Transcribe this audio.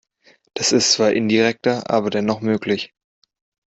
Das ist zwar indirekter, aber dennoch möglich.